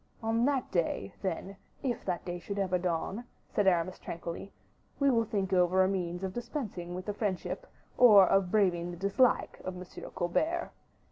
"On that day, then, if that day should ever dawn," said Aramis, tranquilly, "we will think over a means of dispensing with the friendship, or of braving the dislike of M. Colbert.